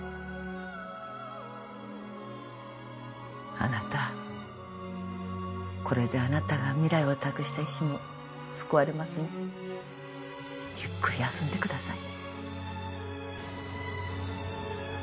あなたこれであなたが未来を託した医師も救われますねゆっくり休んでください